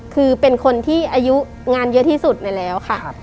คือเป็นคนที่อายุงานเยอะที่สุดไปแล้วค่ะ